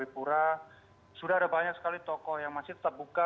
di jaya pura sudah ada banyak sekali toko yang masih tetap buka